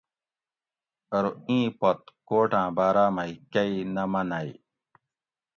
ارو اِیں پت کوٹاں باۤراۤ مئ کئ نہ منئ